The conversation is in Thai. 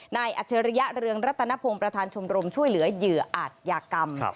อัจฉริยะเรืองรัตนพงศ์ประธานชมรมช่วยเหลือเหยื่ออาจยากรรม